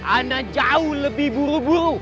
anda jauh lebih buru buru